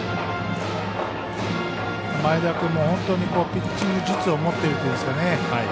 前田君も、ピッチング術を持ってるといいますか。